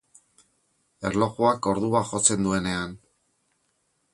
Erlojuak ordua jotzen duenean.